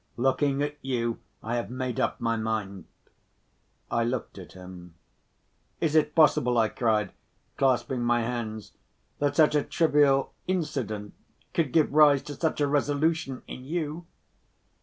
"Looking at you, I have made up my mind." I looked at him. "Is it possible," I cried, clasping my hands, "that such a trivial incident could give rise to such a resolution in you?"